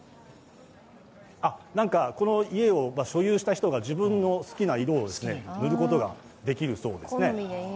この家を所有した人が自分の好きな色を塗ることができるそうですね。